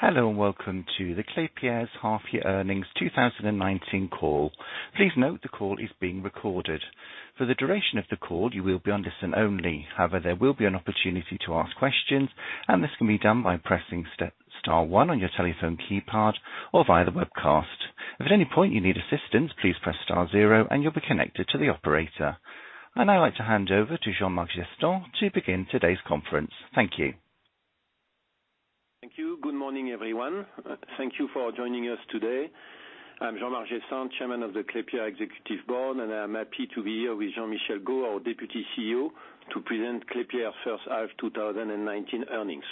Hello, welcome to the Klépierre's half year earnings 2019 call. Please note the call is being recorded. For the duration of the call, you will be on listen only. However, there will be an opportunity to ask questions, and this can be done by pressing star one on your telephone keypad or via the webcast. If at any point you need assistance, please press star zero and you'll be connected to the operator. I'd like to hand over to Jean-Marc Jestin to begin today's conference. Thank you. Thank you. Good morning, everyone. Thank you for joining us today. I'm Jean-Marc Jestin, Chairman of the Klépierre Executive Board, and I am happy to be here with Jean-Michel Gault, our Deputy CEO, to present Klépierre first half 2019 earnings.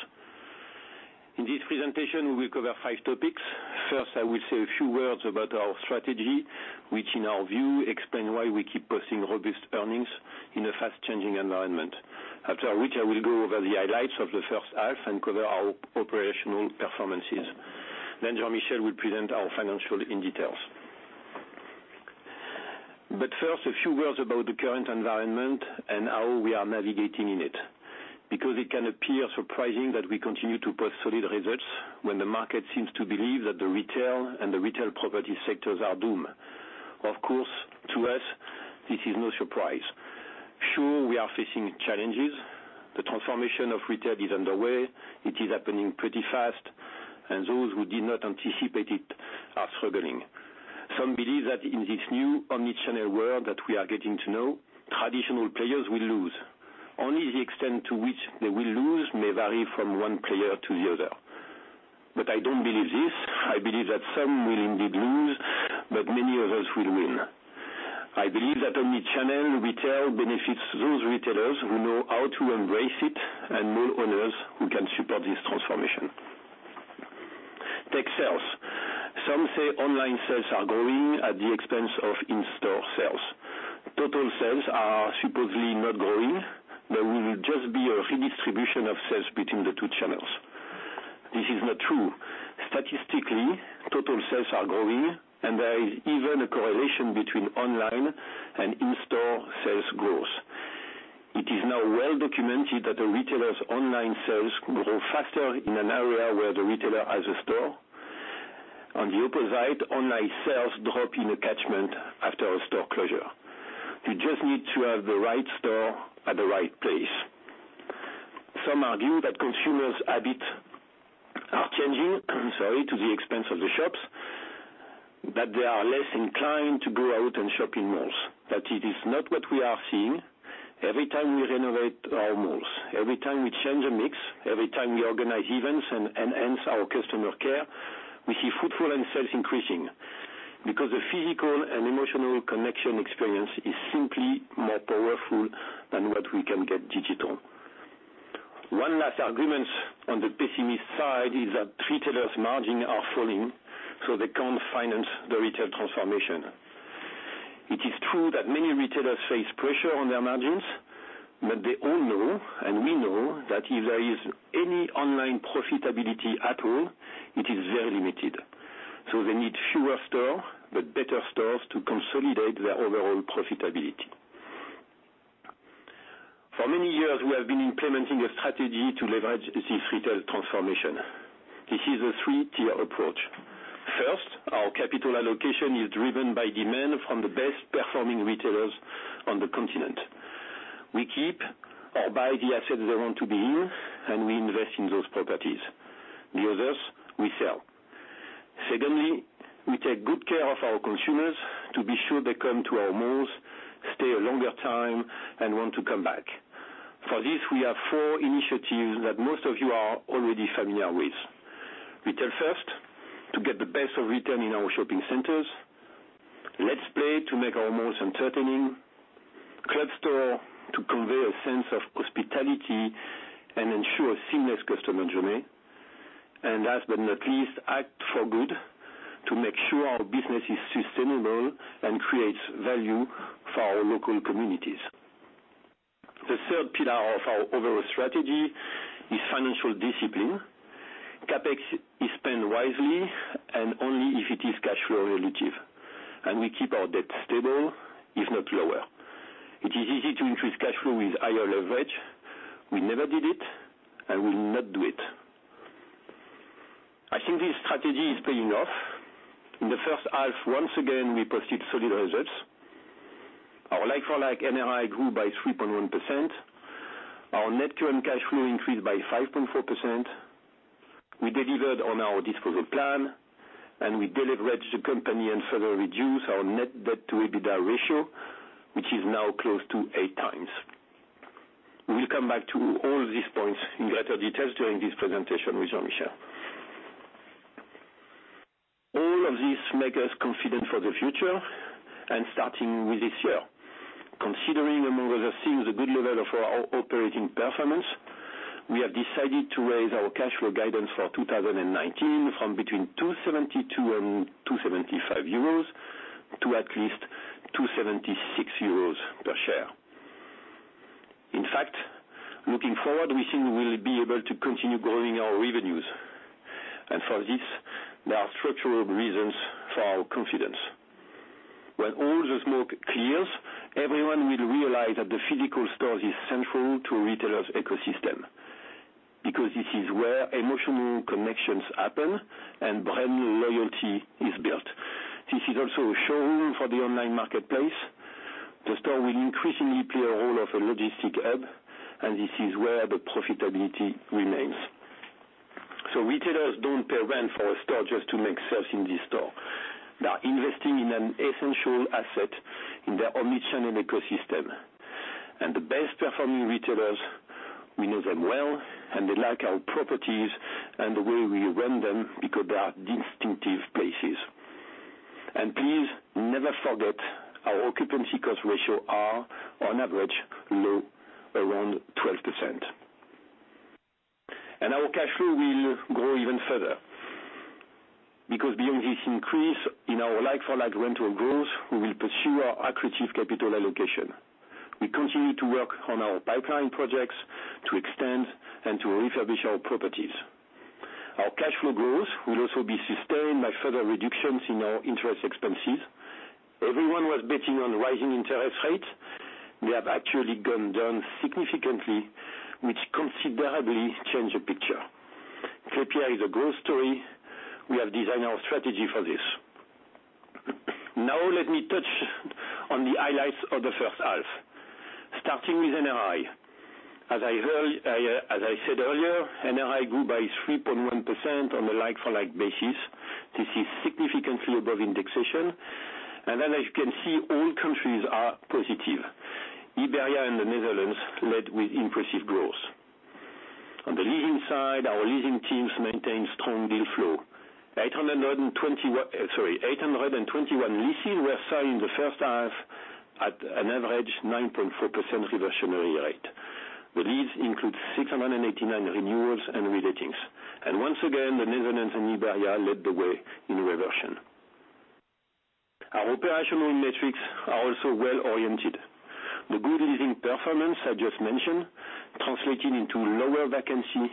In this presentation, we will cover five topics. First, I will say a few words about our strategy, which in our view explain why we keep posting all these earnings in a fast-changing environment. After which I will go over the highlights of the first half and cover our operational performances. Then Jean-Michel will present our financial in details. First, a few words about the current environment and how we are navigating in it, because it can appear surprising that we continue to post solid results when the market seems to believe that the retail and the retail property sectors are doomed. Of course, to us, this is no surprise. Sure, we are facing challenges. The transformation of retail is underway. It is happening pretty fast, and those who did not anticipate it are struggling. Some believe that in this new omni-channel world that we are getting to know, traditional players will lose. Only the extent to which they will lose may vary from one player to the other. I don't believe this. I believe that some will indeed lose, but many others will win. I believe that omni-channel retail benefits those retailers who know how to embrace it, and mall owners who can support this transformation. Take sales. Some say online sales are growing at the expense of in-store sales. Total sales are supposedly not growing. There will just be a redistribution of sales between the two channels. This is not true. Statistically, total sales are growing, and there is even a correlation between online and in-store sales growth. It is now well documented that the retailer's online sales grow faster in an area where the retailer has a store. On the upper side, online sales drop in a catchment after a store closure. You just need to have the right store at the right place. Some argue that consumers' habits are changing at the expense of the shops, that they are less inclined to go out and shop in malls. That it is not what we are seeing every time we renovate our malls, every time we change a mix, every time we organize events and enhance our customer care, we see footfall and sales increasing because the physical and emotional connection experience is simply more powerful than what we can get digital. One last argument on the pessimist side is that retailers margin are falling. They can't finance the retail transformation. It is true that many retailers face pressure on their margins. They all know, and we know, that if there is any online profitability at all, it is very limited. They need fewer store, but better stores to consolidate their overall profitability. For many years, we have been implementing a strategy to leverage this retail transformation. This is a 3-tier approach. First, our capital allocation is driven by demand from the best performing retailers on the continent. We keep or buy the assets they want to be in. We invest in those properties. The others, we sell. Secondly, we take good care of our consumers to be sure they come to our malls, stay a longer time, and want to come back. For this, we have four initiatives that most of you are already familiar with. Retail First®, to get the best of retail in our shopping centers. Let's Play®, to make our malls entertaining. Clubstore®, to convey a sense of hospitality and ensure seamless customer journey. Last but not least, Act for Good® to make sure our business is sustainable and creates value for our local communities. The third pillar of our overall strategy is financial discipline. CapEx is spent wisely and only if it is cash flow relative, and we keep our debt stable, if not lower. It is easy to increase cash flow with higher leverage. We never did it and will not do it. I think this strategy is paying off. In the first half, once again, we posted solid results. Our like-for-like NRI grew by 3.1%. Our net current cash flow increased by 5.4%. We delivered on our disposal plan, we deleveraged the company and further reduced our net debt to EBITDA ratio, which is now close to eight times. We will come back to all these points in greater detail during this presentation with Jean-Michel. All of this make us confident for the future and starting with this year. Considering among other things, the good level of our operating performance, we have decided to raise our cash flow guidance for 2019 from between 2.72 and 2.75 euros to at least 2.76 euros per share. In fact, looking forward, we think we'll be able to continue growing our revenues. Structural reasons for our confidence. When all the smoke clears, everyone will realize that the physical store is central to a retailer's ecosystem, because this is where emotional connections happen and brand loyalty is built. This is also a showroom for the online marketplace. The store will increasingly play a role of a logistic hub, and this is where the profitability remains. Retailers don't pay rent for a store just to make sales in this store. They are investing in an essential asset in their omni-channel ecosystem. The best performing retailers, we know them well, and they like our properties and the way we run them because they are distinctive places. Please never forget our occupancy cost ratio are on average low, around 12%. Our cash flow will grow even further because beyond this increase in our like-for-like rental growth, we will pursue our accretive capital allocation. We continue to work on our pipeline projects to extend and to refurbish our properties. Our cash flow growth will also be sustained by further reductions in our interest expenses. Everyone was betting on rising interest rates. They have actually gone down significantly, which considerably change the picture. Klépierre is a growth story. We have designed our strategy for this. Let me touch on the highlights of the first half. Starting with NRI. As I said earlier, NRI grew by 3.1% on a like-for-like basis. This is significantly above indexation. As you can see, all countries are positive. Iberia and the Netherlands led with impressive growth. On the leasing side, our leasing teams maintained strong deal flow. 821 leases were signed in the first half at an average 9.4% reversionary rate. The lease includes 689 renewals and re-lettings. Once again, the Netherlands and Iberia led the way in reversion. Our operational metrics are also well-oriented. The good leasing performance I just mentioned translated into lower vacancy.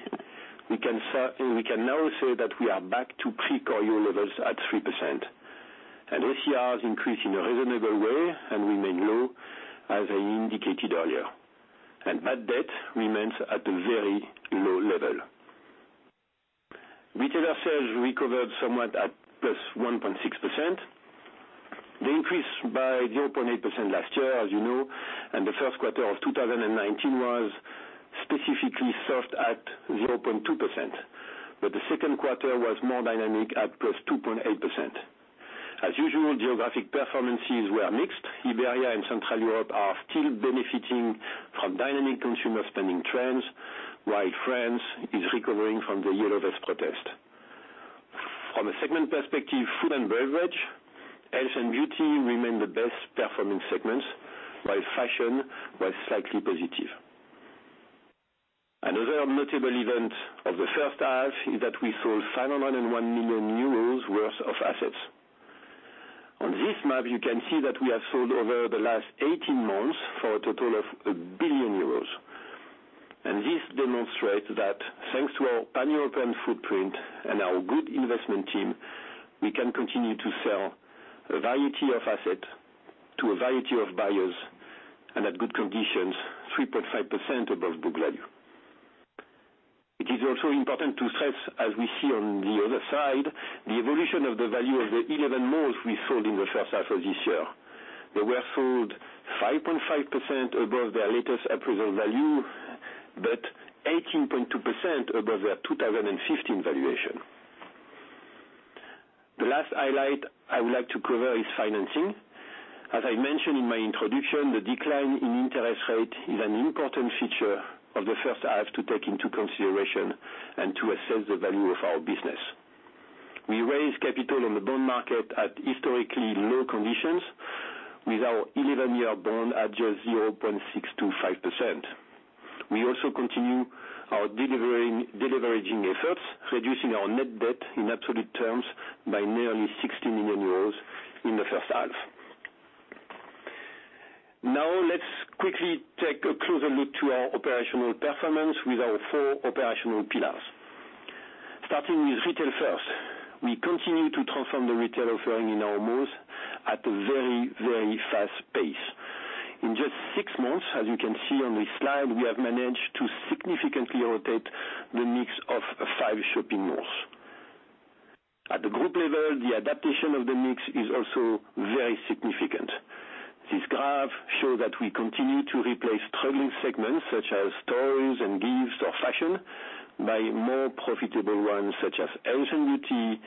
We can now say that we are back to pre-COVID levels at 3%. OCRs increased in a reasonable way and remain low as I indicated earlier. Bad debt remains at a very low level. Retailer sales recovered somewhat at +1.6%. They increased by 0.8% last year, as you know, the first quarter of 2019 was specifically soft at 0.2%, but the second quarter was more dynamic at +2.8%. As usual, geographic performances were mixed. Iberia and Central Europe are still benefiting from dynamic consumer spending trends, while France is recovering from the yellow vest protest. From a segment perspective, food and beverage, health and beauty remain the best performing segments, while fashion was slightly positive. Another notable event of the first half is that we sold 501 million euros worth of assets. On this map, you can see that we have sold over the last 18 months for a total of 1 billion euros. This demonstrates that thanks to our pan-European footprint and our good investment team, we can continue to sell a variety of asset to a variety of buyers and at good conditions, 3.5% above book value. It is also important to stress, as we see on the other side, the evolution of the value of the 11 malls we sold in the first half of this year. They were sold 5.5% above their latest appraisal value, but 18.2% above their 2015 valuation. The last highlight I would like to cover is financing. As I mentioned in my introduction, the decline in interest rate is an important feature of the first half to take into consideration and to assess the value of our business. We raised capital on the bond market at historically low conditions with our 11-year bond at just 0.625%. We also continue our de-leveraging efforts, reducing our net debt in absolute terms by nearly 60 million euros in the first half. Let's quickly take a closer look to our operational performance with our four operational pillars. Starting with Retail First. We continue to transform the retail offering in our malls at a very fast pace. In just six months, as you can see on this slide, we have managed to significantly rotate the mix of five shopping malls. At the group level, the adaptation of the mix is also very significant. This graph shows that we continue to replace struggling segments such as toys and gifts or fashion by more profitable ones such as health and beauty,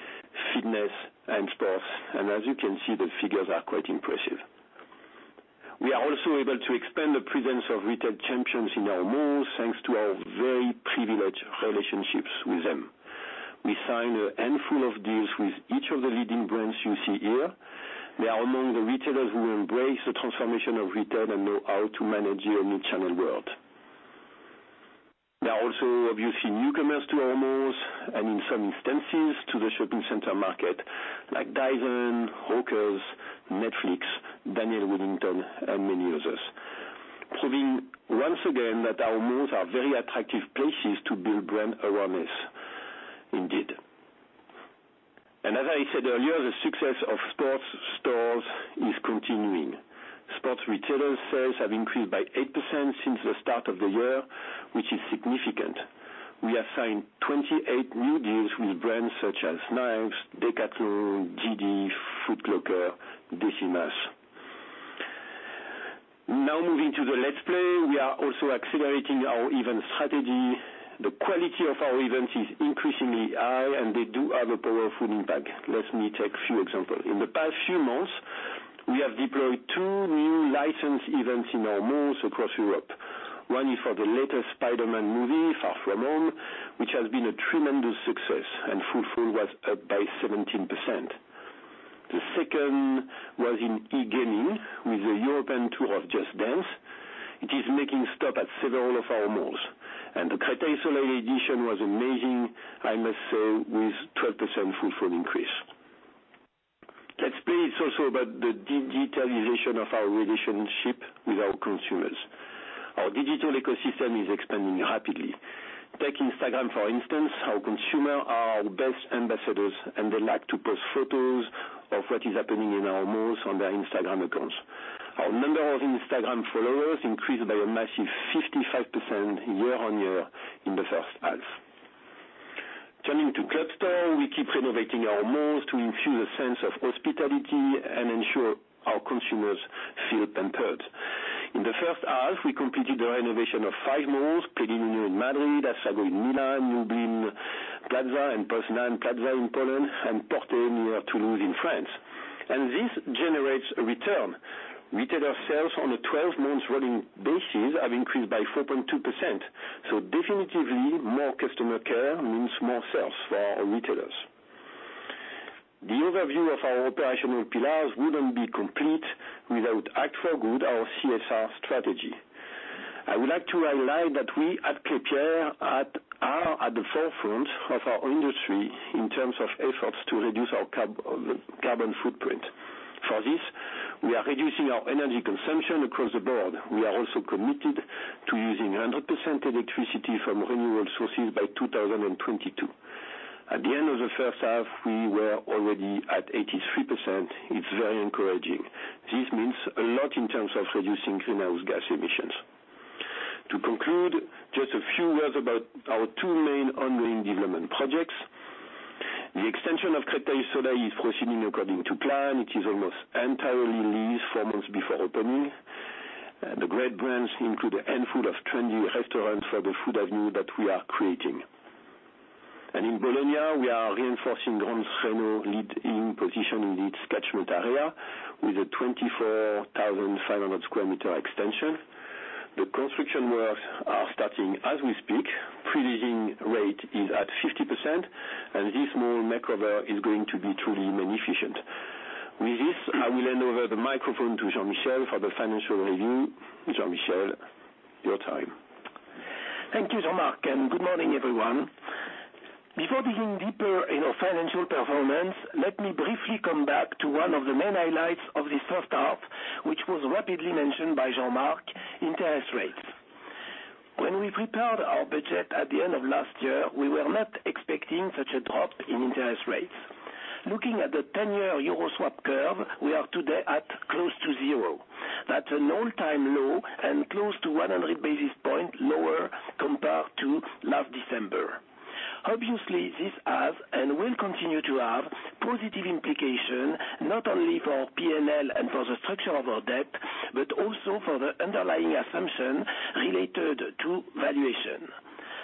fitness, and sports. As you can see, the figures are quite impressive. We are also able to expand the presence of retail champions in our malls, thanks to our very privileged relationships with them. We signed a handful of deals with each of the leading brands you see here. They are among the retailers who embrace the transformation of retail and know how to manage the omni-channel world. There are also obviously newcomers to our malls and in some instances, to the shopping center market, like Dyson, Hawkers, Netflix, Daniel Wellington, and many others. Proving once again that our malls are very attractive places to build brand awareness indeed. As I said earlier, the success of sports stores is continuing. Sports retailer sales have increased by 8% since the start of the year, which is significant. We have signed 28 new deals with brands such as Nike, Decathlon, JD, Foot Locker, Décimas. Moving to the Let's Play, we are also accelerating our event strategy. The quality of our events is increasingly high, and they do have a powerful impact. Let me take a few examples. In the past few months, we have deployed two new licensed events in our malls across Europe. One is for the latest Spider-Man movie, "Far From Home," which has been a tremendous success, and footfall was up by 17%. The second was in e-gaming with the European tour of Just Dance. It is making stop at several of our malls. The Créteil Soleil edition was amazing, I must say, with 12% footfall increase. Let's Play is also about the digitalization of our relationship with our consumers. Our digital ecosystem is expanding rapidly. Take Instagram, for instance, our consumer, our best ambassadors, and they like to post photos of what is happening in our malls on their Instagram accounts. Our number of Instagram followers increased by a massive 55% year-on-year in the first half. Turning to Clubstore, we keep renovating our malls to infuse a sense of hospitality and ensure our consumers feel pampered. In the first half, we completed the renovation of five malls, Plenilunio in Madrid, Assago in Milan, Lublin Plaza, and Poznan Plaza in Poland, and Portet near Toulouse in France. This generates a return. Retailer sales on a 12-month running basis have increased by 4.2%. Definitively, more customer care means more sales for our retailers. The overview of our operational pillars wouldn't be complete without Act for Good, our CSR strategy. I would like to highlight that we at Klépierre are at the forefront of our industry in terms of efforts to reduce our carbon footprint. For this, we are reducing our energy consumption across the board. We are also committed to using 100% electricity from renewable sources by 2022. At the end of the first half, we were already at 83%. It's very encouraging. This means a lot in terms of reducing greenhouse gas emissions. To conclude, just a few words about our two main ongoing development projects. The extension of Créteil Soleil is proceeding according to plan, which is almost entirely leased four months before opening. The great brands include a handful of trendy restaurants for the food avenue that we are creating. In Bologna, we are reinforcing Gran Reno lead in position in its catchment area with a 24,500 sq m extension. The construction works are starting as we speak. Pre-leasing rate is at 50%, and this mall makeover is going to be truly magnificent. With this, I will hand over the microphone to Jean-Michel for the financial review. Jean-Michel, your time. Thank you, Jean-Marc, and good morning, everyone. Before digging deeper in our financial performance, let me briefly come back to one of the main highlights of this first half, which was rapidly mentioned by Jean-Marc, interest rates. When we prepared our budget at the end of last year, we were not expecting such a drop in interest rates. Looking at the 10-year Euro swap curve, we are today at close to zero. That's an all-time low and close to 100 basis points lower compared to last December. Obviously, this has and will continue to have positive implications, not only for P&L and for the structure of our debt, but also for the underlying assumption related to valuation.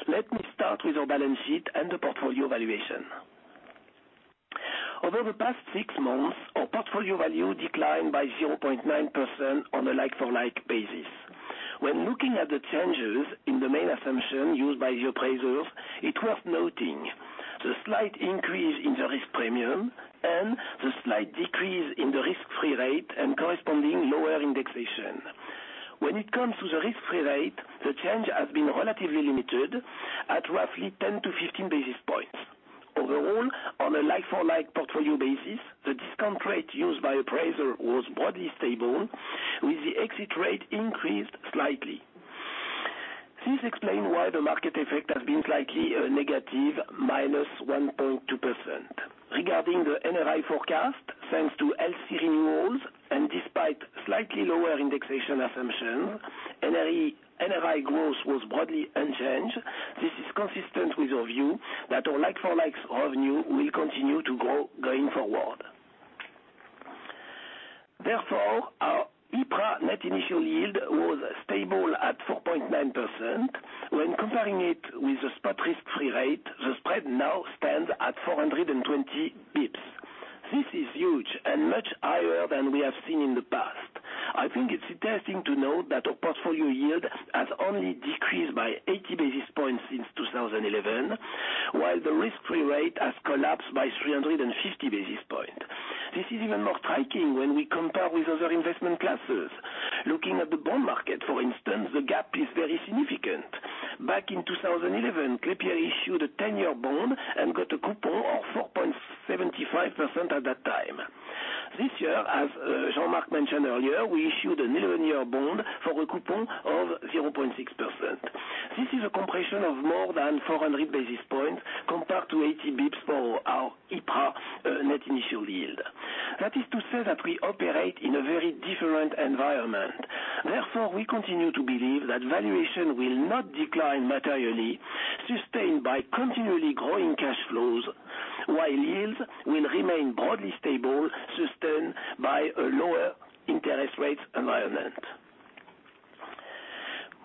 Let me start with our balance sheet and the portfolio valuation. Over the past six months, our portfolio value declined by 0.9% on a like-for-like basis. When looking at the changes in the main assumption used by the appraisers, it is worth noting the slight increase in the risk premium and the slight decrease in the risk-free rate and corresponding lower indexation. When it comes to the risk-free rate, the change has been relatively limited at roughly 10 to 15 basis points. Overall, on a like-for-like portfolio basis, the discount rate used by appraiser was broadly stable, with the exit rate increased slightly. This explain why the market effect has been slightly negative, -1.2%. Regarding the NRI forecast, thanks to LC renewals and despite slightly lower indexation assumption, NRI growth was broadly unchanged. This is consistent with our view that our like-for-likes revenue will continue to grow going forward. Our EPRA net initial yield was stable at 4.9%. When comparing it with the spot risk-free rate, the spread now stands at 420 bps. This is huge and much higher than we have seen in the past. I think it's interesting to note that our portfolio yield has only decreased by 80 basis points since 2011, while the risk-free rate has collapsed by 350 basis points. This is even more striking when we compare with other investment classes. Looking at the bond market, for instance. Back in 2011, Klépierre issued a 10-year bond and got a coupon of 4.75% at that time. This year, as Jean-Marc mentioned earlier, we issued an 11-year bond for a coupon of 0.6%. This is a compression of more than 400 basis points compared to 80 basis points for our EPRA net initial yield. That is to say that we operate in a very different environment. We continue to believe that valuation will not decline materially, sustained by continually growing cash flows, while yields will remain broadly stable, sustained by a lower interest rate environment.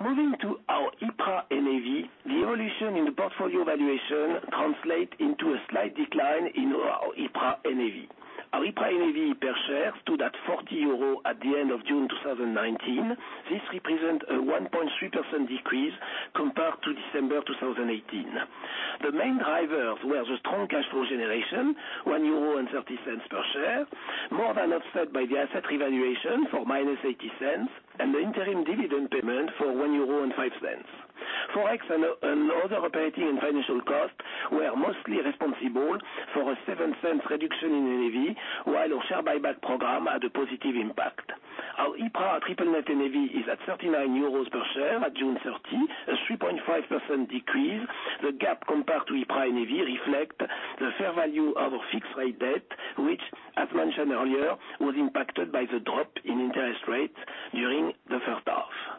Moving to our EPRA NAV, the evolution in the portfolio valuation translates into a slight decline in our EPRA NAV. Our EPRA NAV per share stood at 40 euros at the end of June 2019. This represents a 1.3% decrease compared to December 2018. The main drivers were the strong cash flow generation, 1.30 euro per share, more than offset by the asset revaluation for minus 0.80, and the interim dividend payment for 1.05 euro. Forex and other operating and financial costs were mostly responsible for a 0.7 reduction in NAV, while our share buyback program had a positive impact. Our EPRA triple net NAV is at 39 euros per share at June 30, a 3.5% decrease. The gap compared to EPRA NAV reflects the fair value of our fixed-rate debt, which, as mentioned earlier, was impacted by the drop in interest rates during the first half.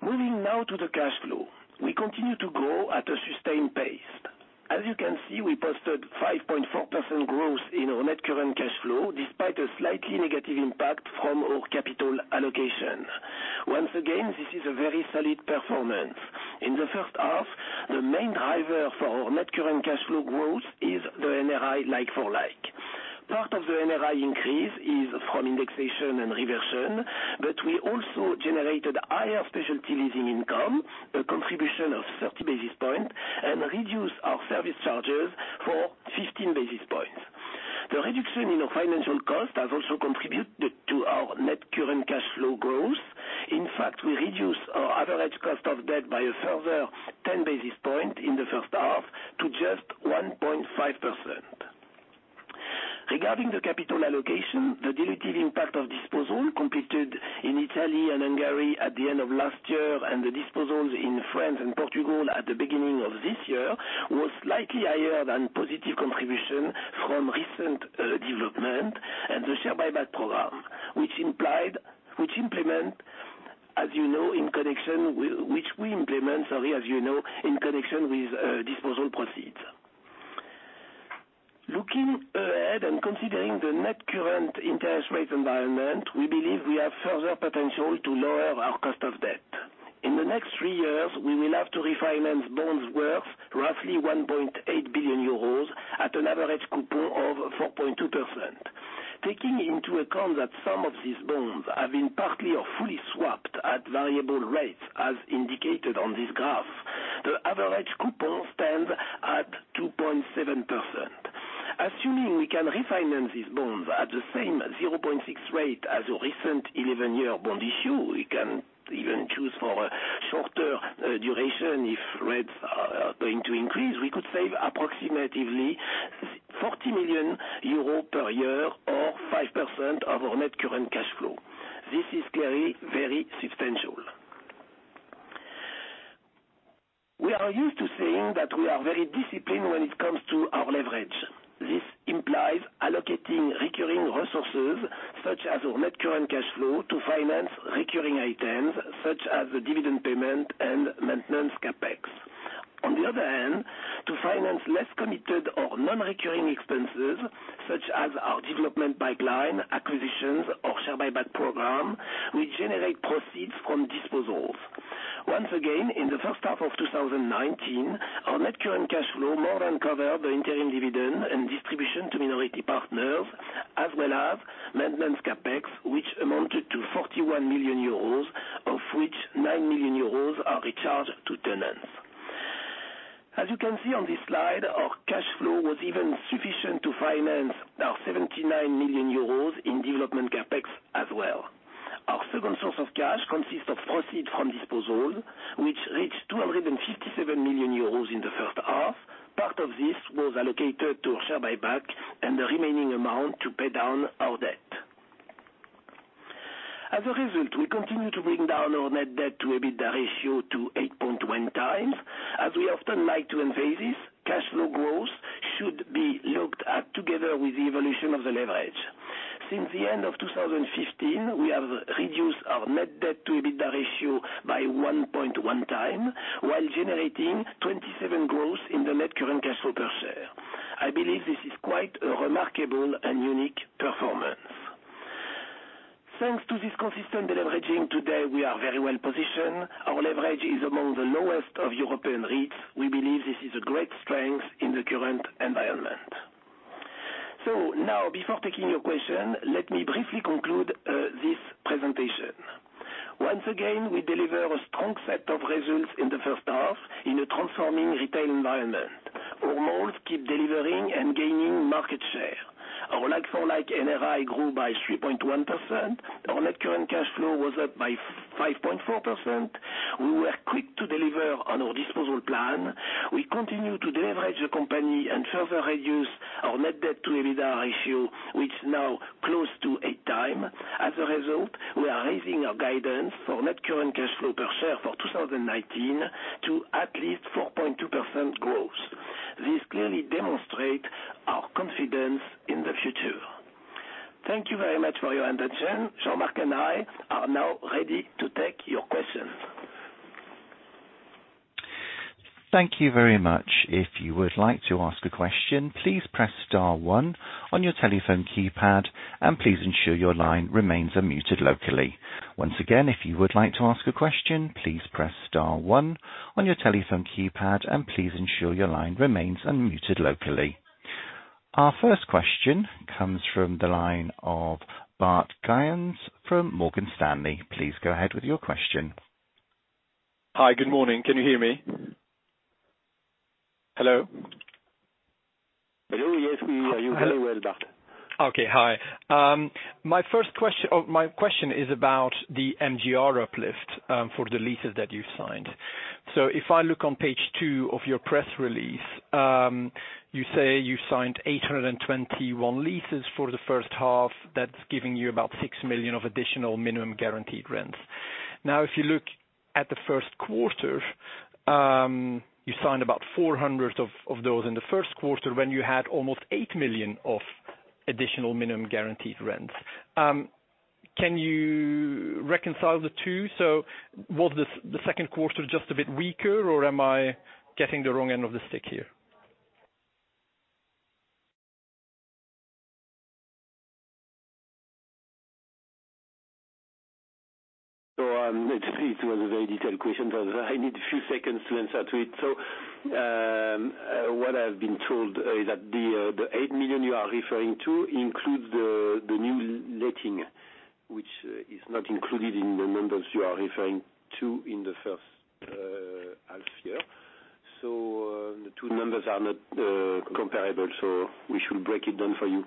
Moving now to the cash flow. We continue to grow at a sustained pace. As you can see, we posted 5.4% growth in our net current cash flow, despite a slightly negative impact from our capital allocation. Once again, this is a very solid performance. In the first half, the main driver for our net current cash flow growth is the NRI like-for-like. Part of the NRI increase is from indexation and reversion, but we also generated higher specialty leasing income, a contribution of 30 basis points, and reduced our service charges for 15 basis points. The reduction in our financial cost has also contributed to our net current cash flow growth. In fact, we reduced our average cost of debt by a further 10 basis points in the first half to just 1.5%. Regarding the capital allocation, the dilutive impact of disposal completed in Italy and Hungary at the end of last year, and the disposals in France and Portugal at the beginning of this year, was slightly higher than positive contribution from recent development and the share buyback program, which we implement, as you know, in connection with disposal proceeds. Looking ahead and considering the net current interest rate environment, we believe we have further potential to lower our cost of debt. In the next three years, we will have to refinance bonds worth roughly 1.8 billion euros at an average coupon of 4.2%. Taking into account that some of these bonds have been partly or fully swapped at variable rates as indicated on this graph, the average coupon stands at 2.7%. Assuming we can refinance these bonds at the same 0.6 rate as your recent 11-year bond issue, we can even choose for a shorter duration if rates are going to increase. We could save approximately 40 million euros per year or 5% of our net current cash flow. This is clearly very substantial. We are used to saying that we are very disciplined when it comes to our leverage. This implies allocating recurring resources, such as our net current cash flow, to finance recurring items, such as the dividend payment and maintenance CapEx. On the other hand, to finance less committed or non-recurring expenses, such as our development pipeline, acquisitions, or share buyback program, we generate proceeds from disposals. Once again, in the first half of 2019, our net current cash flow more than covered the interim dividend and distribution to minority partners, as well as maintenance CapEx, which amounted to 41 million euros, of which 9 million euros are recharged to tenants. As you can see on this slide, our cash flow was even sufficient to finance our 79 million euros in development CapEx as well. Our second source of cash consists of proceeds from disposals, which reached 257 million euros in the first half. Part of this was allocated to share buyback, and the remaining amount to pay down our debt. As a result, we continue to bring down our net debt to EBITDA ratio to 8.1 times. As we often like to emphasize, cash flow growth should be looked at together with the evolution of the leverage. Since the end of 2015, we have reduced our net debt to EBITDA ratio by 1.1 time while generating 27% growth in the net current cash flow per share. I believe this is quite a remarkable and unique performance. Thanks to this consistent deleveraging, today we are very well positioned. Our leverage is among the lowest of European REITs. We believe this is a great strength in the current environment. Now, before taking your question, let me briefly conclude this presentation. Once again, we deliver a strong set of results in the first half in a transforming retail environment. Our malls keep delivering and gaining market share. Our like-for-like NOI grew by 3.1%. Our net current cash flow was up by 5.4%. We were quick to deliver on our disposal plan. We continue to leverage the company and further reduce our net debt to EBITDA ratio, which is now close to eight times. As a result, we are raising our guidance for net current cash flow per share for 2019 to at least 4.2% growth. This clearly demonstrates our confidence in the future. Thank you very much for your attention. Jean-Marc and I are now ready to take your questions. Thank you very much. If you would like to ask a question, please press star one on your telephone keypad and please ensure your line remains unmuted locally. Once again, if you would like to ask a question, please press star one on your telephone keypad and please ensure your line remains unmuted locally. Our first question comes from the line of Bart Gysens from Morgan Stanley. Please go ahead with your question. Hi. Good morning. Can you hear me? Hello? Hello. Yes, we hear you very well, Bart. Okay. Hi. My question is about the MGR uplift for the leases that you signed. If I look on page two of your press release, you say you signed 821 leases for the first half. That's giving you about 6 million of additional minimum guaranteed rents. Now, if you look at the first quarter, you signed about 400 of those in the first quarter when you had almost 8 million of additional minimum guaranteed rents. Can you reconcile the two? Was the second quarter just a bit weaker, or am I getting the wrong end of the stick here? It was a very detailed question, but I need a few seconds to answer to it. What I've been told is that the 8 million you are referring to includes the new letting, which is not included in the numbers you are referring to in the first half year. The two numbers are not comparable, so we should break it down for you.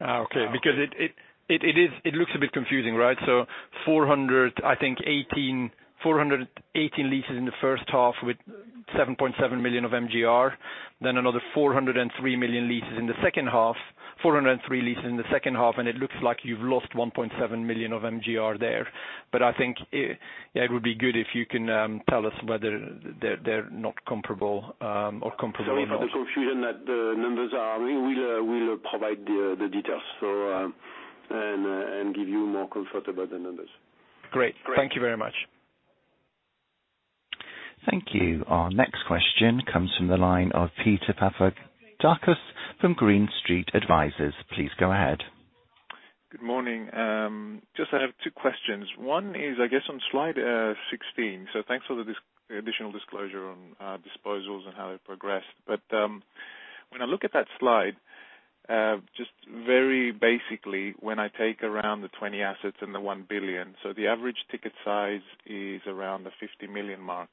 Okay. It looks a bit confusing, right? 418 leases in the first half with 7.7 million of MGR, then another 403 leases in the second half, and it looks like you've lost 1.7 million of MGR there. I think it would be good if you can tell us whether they are not comparable or comparable at all. Sorry for the confusion that the numbers are. We'll provide the details, and give you more comfort about the numbers. Great. Thank you very much. Thank you. Our next question comes from the line of Peter Papadakos from Green Street Advisors. Please go ahead. Good morning. Just I have two questions. One is, I guess, on slide 16. Thanks for the additional disclosure on disposals and how they progressed. When I look at that slide, just very basically, when I take around the 20 assets and the 1 billion, the average ticket size is around the 50 million mark.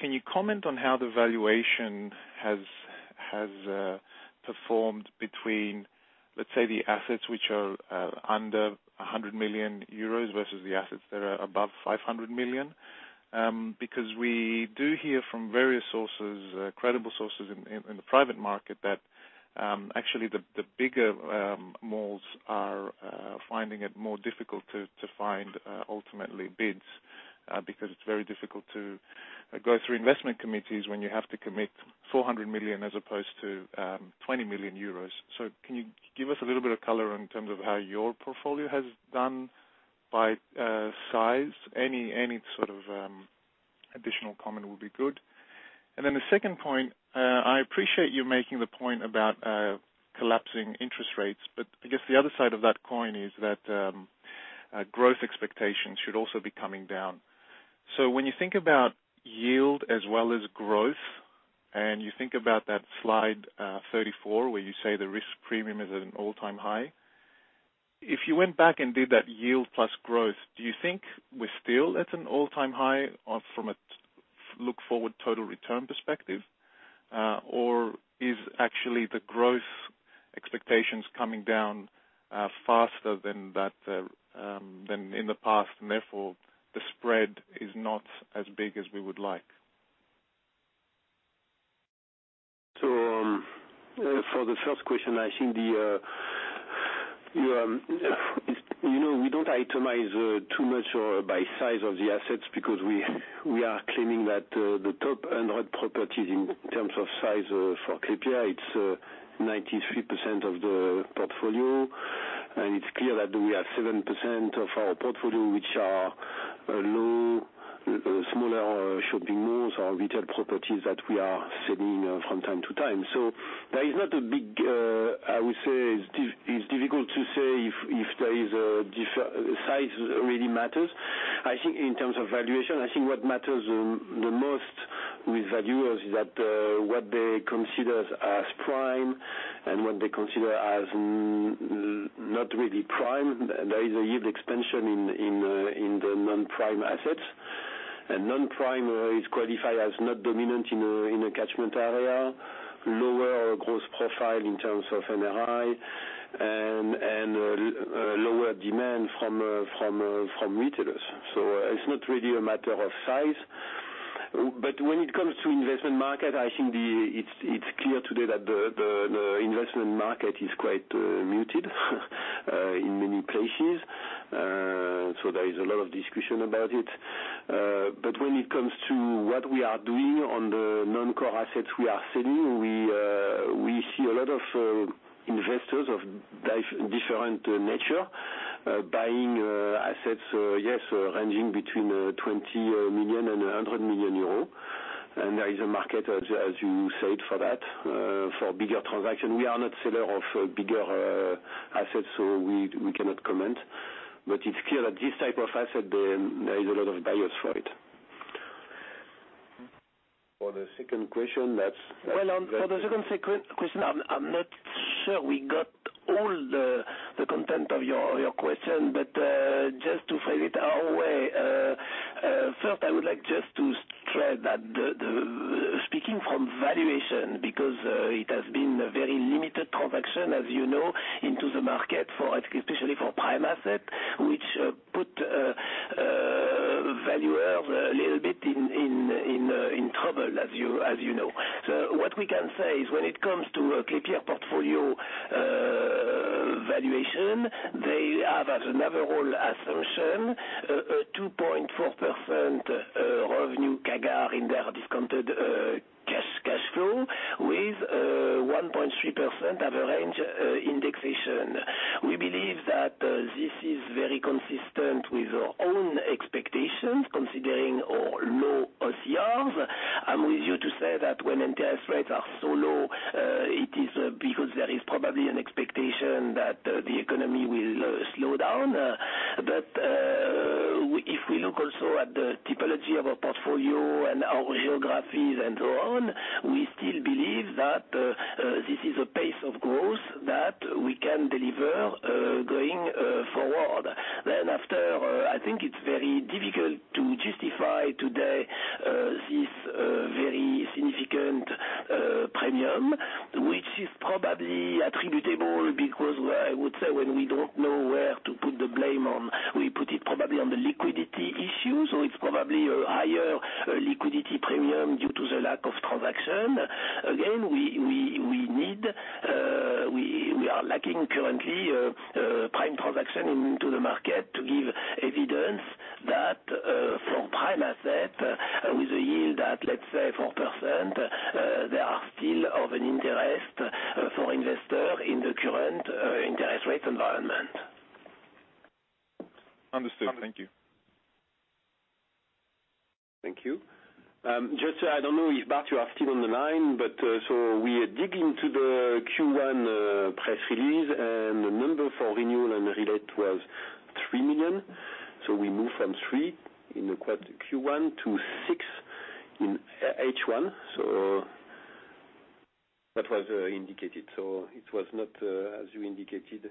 Can you comment on how the valuation has performed between, let's say, the assets which are under 100 million euros versus the assets that are above 500 million? We do hear from various sources, credible sources in the private market that, actually the bigger malls are finding it more difficult to find ultimately bids because it's very difficult to go through investment committees when you have to commit 400 million as opposed to 20 million euros. Can you give us a little bit of color in terms of how your portfolio has done by size? Any sort of additional comment would be good. The second point, I appreciate you making the point about collapsing interest rates, but I guess the other side of that coin is that growth expectations should also be coming down. When you think about yield as well as growth, and you think about that slide 34, where you say the risk premium is at an all-time high. If you went back and did that yield plus growth, do you think we're still at an all-time high from a look-forward total return perspective? Or is actually the growth expectations coming down faster than in the past, and therefore, the spread is not as big as we would like? For the first question, I think we don't itemize too much by size of the assets because we are claiming that the top-end properties in terms of size for [KPI], it's 93% of the portfolio. It's clear that we have 7% of our portfolio which are low, smaller shopping malls or retail properties that we are selling from time to time. There is not a big, I would say, it's difficult to say if size really matters. I think in terms of valuation, I think what matters the most with valuers is that what they consider as prime and what they consider as non-prime. There is a yield expansion in the non-prime assets. Non-prime is qualified as not dominant in a catchment area, lower gross profile in terms of NRI, and lower demand from retailers. It's not really a matter of size. When it comes to investment market, I think it's clear today that the investment market is quite muted in many places. There is a lot of discussion about it. When it comes to what we are doing on the non-core assets we are selling, we see a lot of investors of different nature, buying assets, yes, ranging between 20 million and 100 million euros. There is a market, as you said, for that. For bigger transactions, we are not a seller of bigger assets, so we cannot comment. It's clear that this type of asset, there is a lot of buyers for it. For the second question. Well, for the second question, I am not sure we got all the content of your question. Just to phrase it our way. First, I would like just to stress that speaking from valuation, because it has been a very limited transaction, as you know, into the market, especially for prime assets, which put valuers a little bit in trouble, as you know. What we can say is when it comes to a Klépierre portfolio valuation, they have as an overall assumption a 2.4% revenue CAGR in their discounted cash flow with a 1.3% average indexation. We believe that this is very consistent with our own expectations, considering our low OCRs. I am with you to say that when interest rates are so low, it is because there is probably an expectation that the economy will slow down. If we look also at the typology of our portfolio and our geographies and so on, we still believe that this is a pace of growth that we can deliver going forward. After, I think it's very difficult to justify today this very significant premium, which is probably attributable because, well, I would say when we don't know where to put the blame on, we put it probably on the liquidity issue. It's probably a higher liquidity premium due to the lack of transaction. Again, we are lacking currently prime transaction into the market to give evidence that for prime asset with a yield at, let's say, 4%, they are still of an interest for investor in the current interest rate environment. Understood. Thank you. Thank you. I don't know if Bart, you are still on the line, we dig into the Q1 press release, the number for renewal and relet was 3 million. We move from 3 in Q1 to 6 in H1. That was indicated. It was not as you indicated.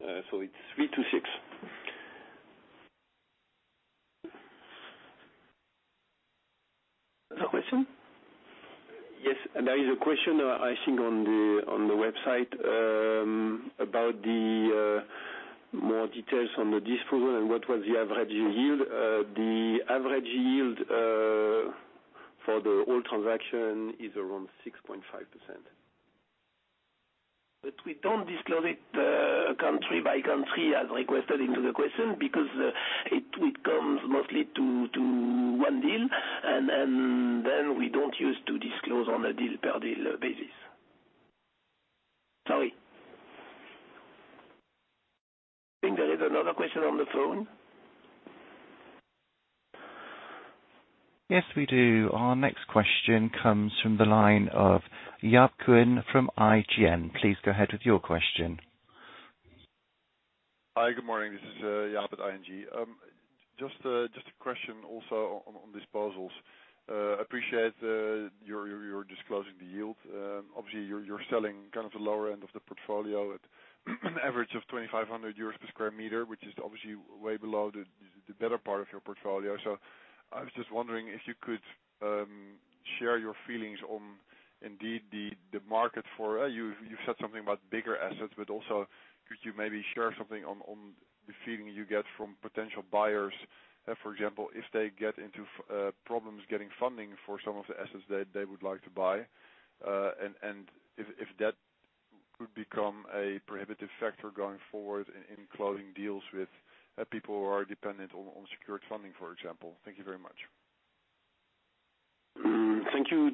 It's 3-6. Another question? Yes. There is a question, I think, on the website about the more details on the disposal and what was the average yield. The average yield for the whole transaction is around 6.5%. We don't disclose it country by country as requested into the question, because it comes mostly to one deal, and then we don't use to disclose on a deal per deal basis. Sorry. I think there is another question on the phone. Yes, we do. Our next question comes from the line of Jaap Kuin from ING. Please go ahead with your question. Hi, good morning. This is Jaap at ING. Just a question also on disposals. Appreciate you're disclosing the yield. Obviously, you're selling kind of the lower end of the portfolio at an average of 2,500 euros per sq m, which is obviously way below the better part of your portfolio. I was just wondering if you could share your feelings on indeed the market for You said something about bigger assets, but also could you maybe share something on the feeling you get from potential buyers, for example, if they get into problems getting funding for some of the assets that they would like to buy, and if that could become a prohibitive factor going forward in closing deals with people who are dependent on secured funding, for example. Thank you very much. Thank you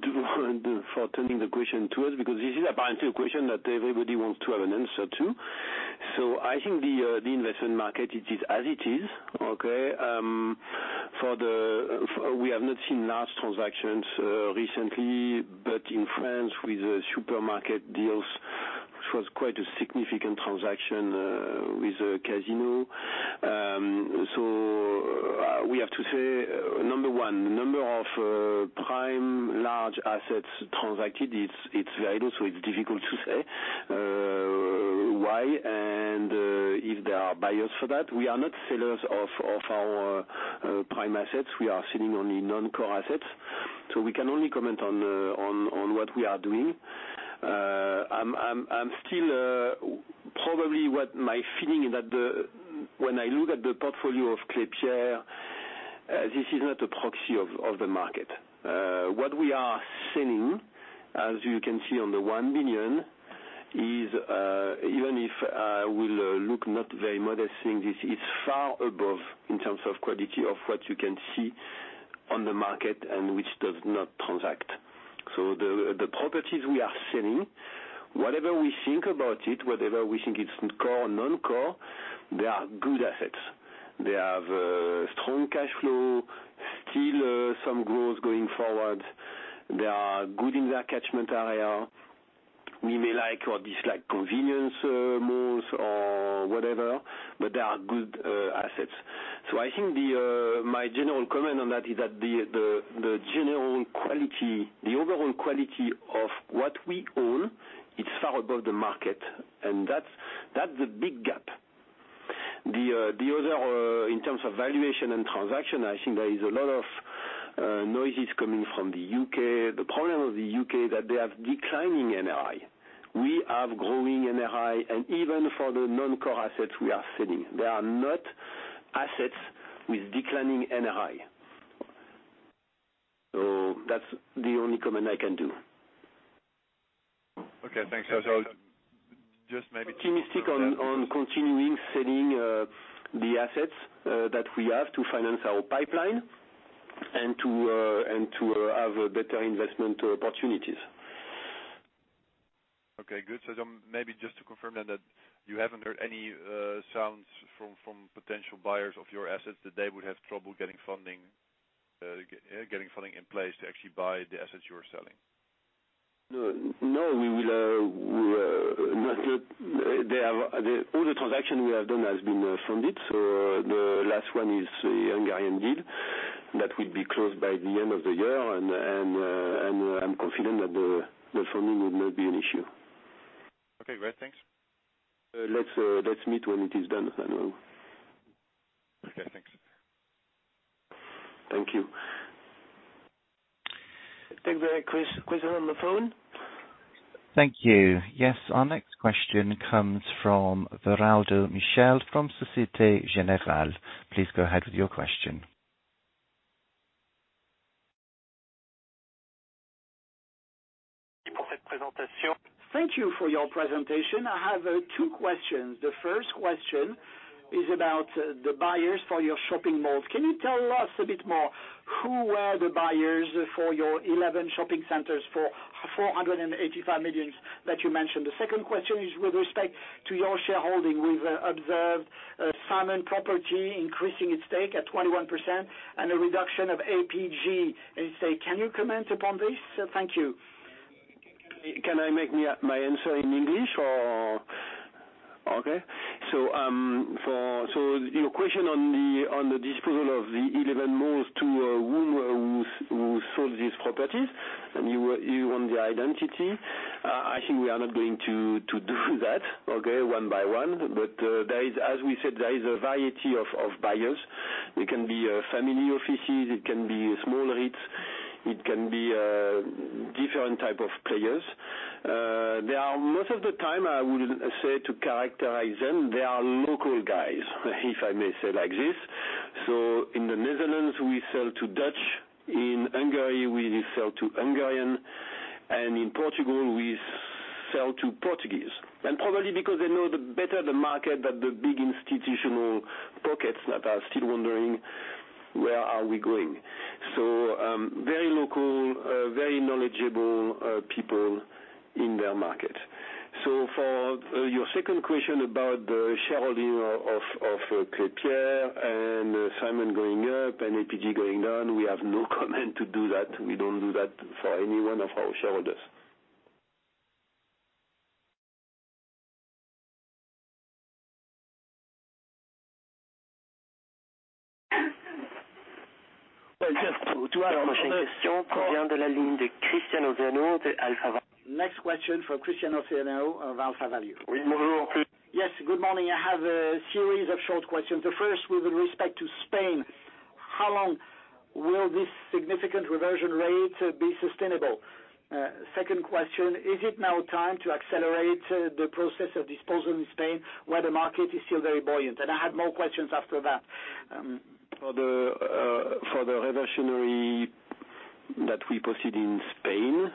for turning the question to us, because this is apparently a question that everybody wants to have an answer to. I think the investment market, it is as it is, okay? We have not seen large transactions recently, but in France, with the supermarket deals, it was quite a significant transaction with Casino. Assets transacted, it's valid, so it's difficult to say why, and if there are buyers for that. We are not sellers of our prime assets. We are selling only non-core assets. We can only comment on what we are doing. I'm still, probably what my feeling is that when I look at the portfolio of Klépierre, this is not a proxy of the market. What we are selling, as you can see on the 1 billion, is even if I will look not very modest, think this is far above in terms of quality of what you can see on the market, and which does not transact. The properties we are selling, whatever we think about it, whether we think it's core, non-core, they are good assets. They have strong cash flow, still some growth going forward. They are good in their catchment area. We may like or dislike convenience malls or whatever, but they are good assets. I think my general comment on that is that the general quality, the overall quality of what we own, it's far above the market, and that's a big gap. The other, in terms of valuation and transaction, I think there is a lot of noises coming from the U.K. The problem of the U.K. is that they have declining NOI. We have growing NOI, and even for the non-core assets we are selling, they are not assets with declining NOI. That's the only comment I can do. Okay, thanks. Optimistic on continuing selling the assets that we have to finance our pipeline and to have better investment opportunities. Okay, good. Maybe just to confirm then that you haven't heard any sounds from potential buyers of your assets, that they would have trouble getting funding in place to actually buy the assets you are selling? No, all the transaction we have done has been funded. The last one is a Hungarian deal that will be closed by the end of the year, and I'm confident that the funding would not be an issue. Okay, great. Thanks. Let's meet when it is done. Okay, thanks. Thank you. Take the question on the phone. Thank you. Yes, our next question comes from Veraldo Michel from Société Générale. Please go ahead with your question. Thank you for your presentation. I have two questions. The first question is about the buyers for your shopping malls. Can you tell us a bit more, who were the buyers for your 11 shopping centers for 485 million that you mentioned? The second question is with respect to your shareholding. We've observed Simon Property increasing its stake at 21% and a reduction of APG. Can you comment upon this? Thank you. Can I make my answer in English, or Okay. Your question on the disposal of the 11 malls to whom who sold these properties, and you want the identity. I think we are not going to do that, okay, one by one. As we said, there is a variety of buyers. It can be family offices, it can be small REITs, it can be different type of players. They are, most of the time, I would say, to characterize them, they are local guys, if I may say like this. In the Netherlands, we sell to Dutch, in Hungary, we sell to Hungarian, and in Portugal, we sell to Portuguese. Probably because they know better the market than the big institutional pockets that are still wondering, "Where are we going?" Very local, very knowledgeable people in their market. For your second question about the shareholding of Klépierre, and Simon going up and APG going down, we have no comment to do that. We don't do that for any one of our shareholders. Well, just to add on the call. Next question for Cristiano Ozeano of AlphaValue. Yes, good morning. Yes, good morning. I have a series of short questions. The first with respect to Spain. How long will this significant reversion rate be sustainable? Second question, is it now time to accelerate the process of disposal in Spain, where the market is still very buoyant? I have more questions after that. For the reversionary that we proceed in Spain,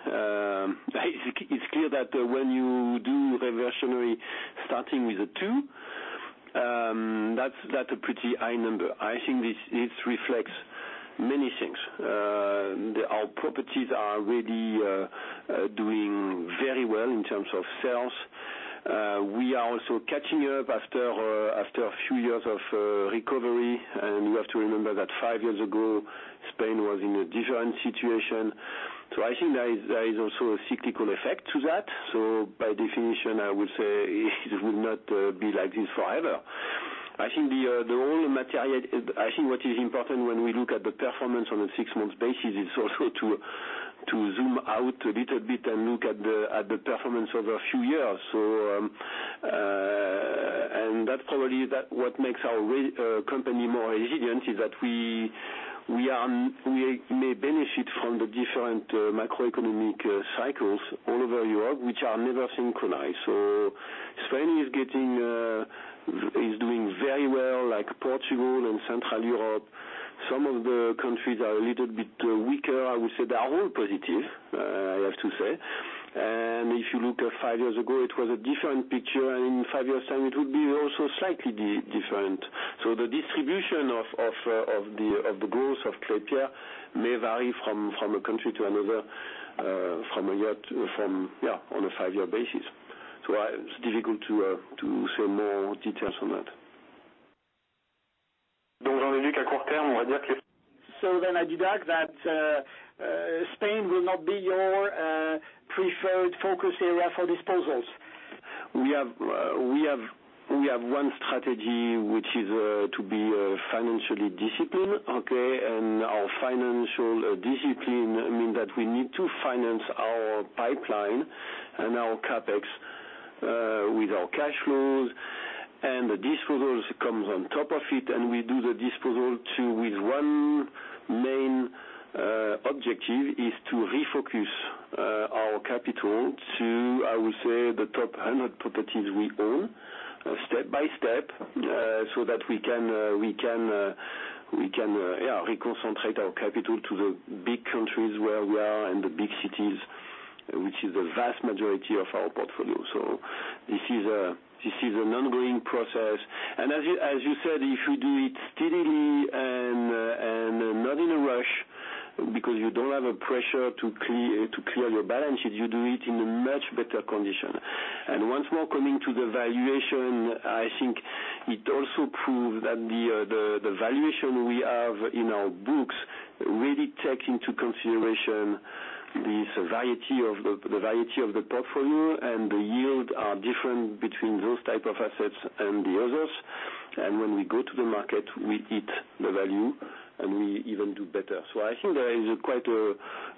it is clear that when you do reversionary, starting with a two, that's a pretty high number. I think this reflects many things. Our properties are really doing very well in terms of sales. We are also catching up after a few years of recovery, and we have to remember that five years ago, Spain was in a different situation. I think there is also a cyclical effect to that. By definition, I would say it will not be like this forever. I think what is important when we look at the performance on a six-month basis is also to zoom out a little bit and look at the performance over a few years. That's probably what makes our company more resilient, is that we may benefit from the different macroeconomic cycles all over Europe, which are never synchronized. Spain is doing very well, like Portugal and Central Europe. Some of the countries are a little bit weaker. I would say they are all positive, I have to say. If you look at five years ago, it was a different picture, and in five years' time, it would be also slightly different. The distribution of the growth of Klépierre may vary from a country to another on a five-year basis. It's difficult to say more details on that. I deduct that Spain will not be your preferred focus area for disposals. We have one strategy, which is to be financially disciplined. Okay. Our financial discipline means that we need to finance our pipeline and our CapEx with our cash flows, and the disposals comes on top of it, and we do the disposal with one main objective, is to refocus our capital to, I would say, the top 100 properties we own, step by step, so that we can reconcentrate our capital to the big countries where we are and the big cities, which is the vast majority of our portfolio. This is an ongoing process, and as you said, if you do it steadily and not in a rush, because you don't have a pressure to clear your balance sheet, you do it in a much better condition. Once more, coming to the valuation, I think it also proves that the valuation we have in our books really takes into consideration this variety of the portfolio, and the yields are different between those type of assets and the others. When we go to the market, we hit the value, and we even do better. I think there is quite a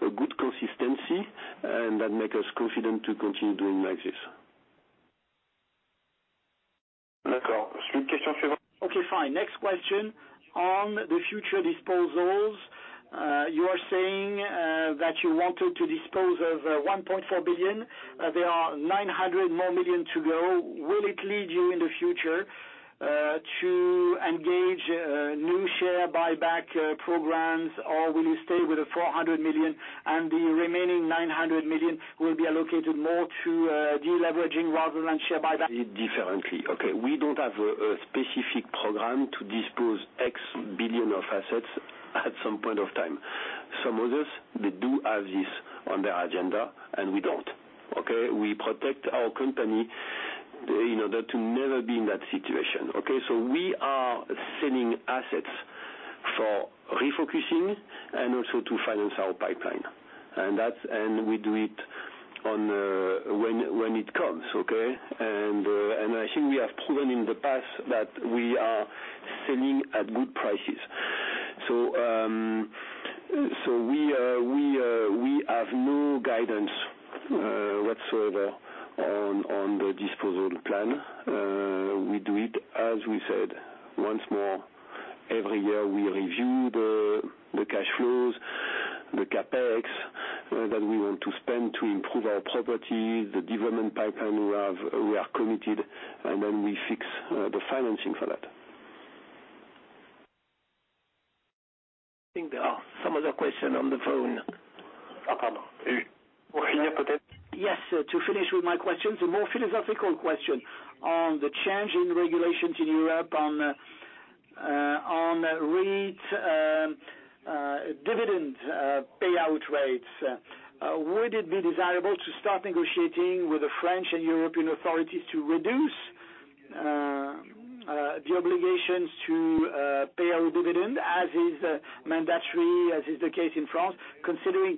good consistency, and that makes us confident to continue doing like this. Okay, fine. Next question. On the future disposals, you are saying that you wanted to dispose of 1.4 billion. There are 900 more million to go. Will it lead you in the future to engage new share buyback programs, or will you stay with the 400 million and the remaining 900 million will be allocated more to de-leveraging rather than share buyback? Differently. Okay. We don't have a specific program to dispose X billion of assets at some point of time. Some others, they do have this on their agenda, and we don't. Okay? We protect our company in order to never be in that situation. Okay? We are selling assets for refocusing and also to finance our pipeline. We do it when it comes. Okay? I think we have proven in the past that we are selling at good prices. We have no guidance whatsoever on the disposal plan. We do it, as we said, once more, every year, we review the cash flows, the CapEx that we want to spend to improve our properties, the development pipeline we are committed, and then we fix the financing for that. I think there are some other question on the phone. Yes, to finish with my question, it's a more philosophical question. On the change in regulations in Europe on REIT dividend payout rates, would it be desirable to start negotiating with the French and European authorities to reduce the obligations to pay our dividend as is mandatory, as is the case in France, considering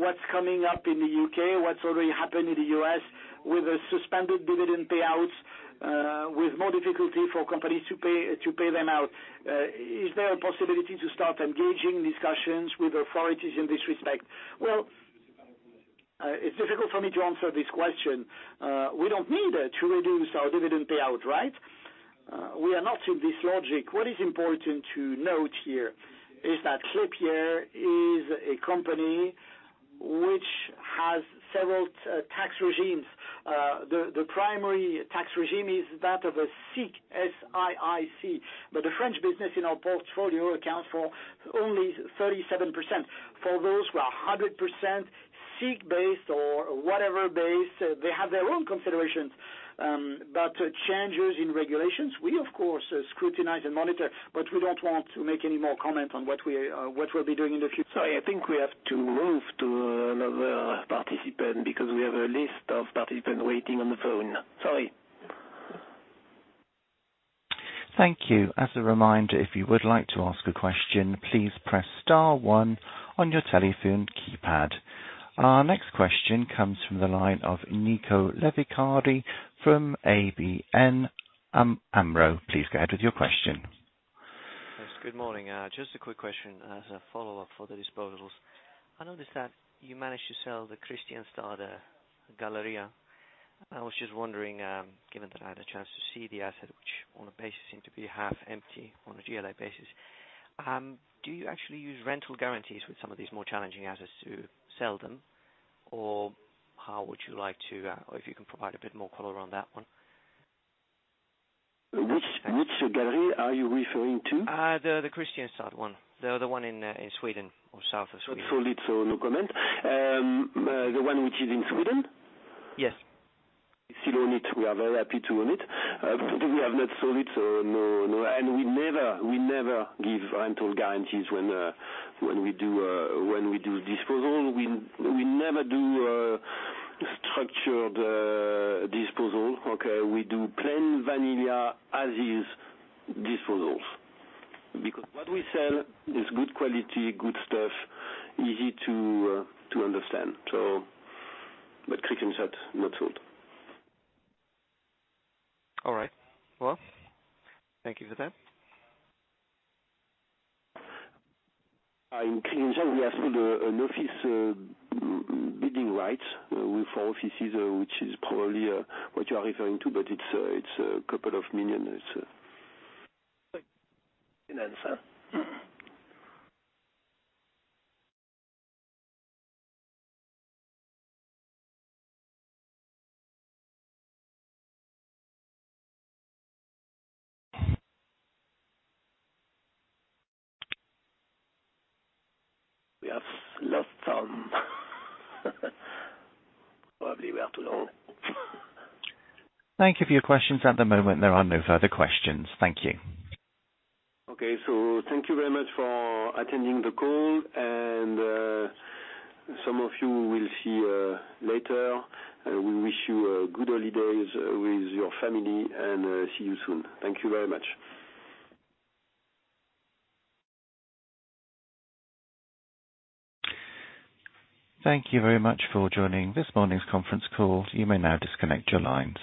what's coming up in the U.K., what's already happened in the U.S. with the suspended dividend payouts, with more difficulty for companies to pay them out. Is there a possibility to start engaging discussions with authorities in this respect? Well, it's difficult for me to answer this question. We don't need to reduce our dividend payout, right? We are not in this logic. What is important to note here is that Klépierre is a company which has several tax regimes. The primary tax regime is that of a SIIC, S-I-I-C. The French business in our portfolio accounts for only 37%. For those who are 100% SIIC-based or whatever-based, they have their own considerations. Changes in regulations, we, of course, scrutinize and monitor, but we don't want to make any more comment on what we'll be doing in the future. Sorry, I think we have to move to another participant because we have a list of participants waiting on the phone. Sorry. Thank you. As a reminder, if you would like to ask a question, please press star one on your telephone keypad. Our next question comes from the line of Nico Levicardi from ABN AMRO. Please go ahead with your question. Good morning. Just a quick question as a follow-up for the disposals. I noticed that you managed to sell the Galleria Boulevard. I was just wondering, given that I had a chance to see the asset, which on a basis seemed to be half empty on a GLA basis. Do you actually use rental guarantees with some of these more challenging assets to sell them? If you can provide a bit more color on that one. Which gallery are you referring to? The Kristianstad one, the other one in Sweden or south of Sweden. Not sold it, so no comment. The one which is in Sweden? Yes. Still own it. We are very happy to own it. We have not sold it, so no. We never give rental guarantees when we do disposal. We never do structured disposal. Okay. We do plain vanilla as is disposals. Because what we sell is good quality, good stuff, easy to understand. Kristianstad, not sold. All right. Well, thank you for that. In Kristianstad, we have sold an office building rights with four offices, which is probably what you are referring to, but it's EUR a couple of million. Thanks for the answer. We have lost Tom. Probably we are too long. Thank you for your questions. At the moment, there are no further questions. Thank you. Okay. Thank you very much for attending the call, and some of you we'll see later. We wish you good holidays with your family and see you soon. Thank you very much. Thank you very much for joining this morning's conference call. You may now disconnect your line.